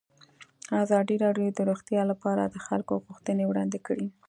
ازادي راډیو د روغتیا لپاره د خلکو غوښتنې وړاندې کړي.